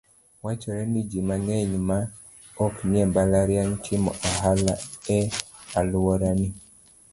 Wachore ni ji mang'eny ma oknie mbalariany, timo ohala e alworani.